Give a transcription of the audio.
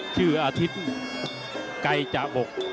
ชื่ออาทิตย์ไก่จาอก